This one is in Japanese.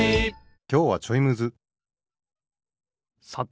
きょうはちょいむずさて